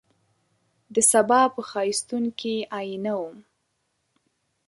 دسبا په ښایستون کي آئینه وم